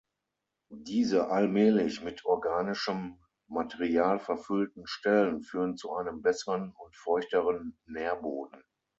Diese allmählich mit organischem Material verfüllten Stellen führen zu einem besseren und feuchteren Nährboden.